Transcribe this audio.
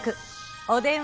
お電話